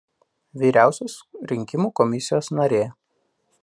Vyriausiosios rinkimų komisijos narė.